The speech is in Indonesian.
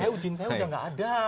ujin saya sudah nggak ada